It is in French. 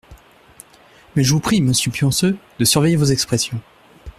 Mais je vous prie, monsieur Pionceux, de surveiller vos expressions.